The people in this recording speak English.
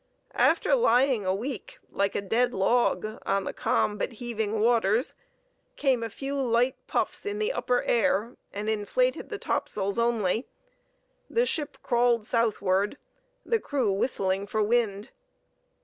After lying a week like a dead log on the calm but heaving waters, came a few light puffs in the upper air and inflated the topsails only: the ship crawled southward, the crew whistling for wind.